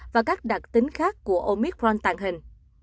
và các đặc tính khác của omicron tàng hình